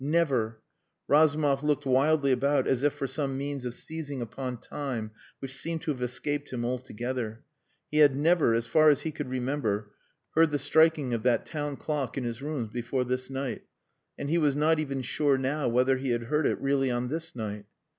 Never. Razumov looked wildly about as if for some means of seizing upon time which seemed to have escaped him altogether. He had never, as far as he could remember, heard the striking of that town clock in his rooms before this night. And he was not even sure now whether he had heard it really on this night.